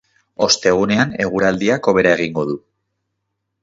Ostegunean eguraldiak hobera egingo du.